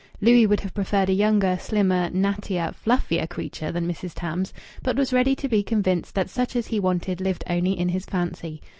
Louis would have preferred a younger, slimmer, nattier, fluffier creature than Mrs. Tams, but was ready to be convinced that such as he wanted lived only in his fancy.